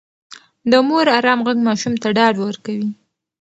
د مور ارام غږ ماشوم ته ډاډ ورکوي.